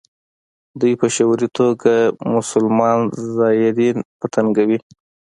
دوی په شعوري توګه مسلمان زایرین په تنګوي.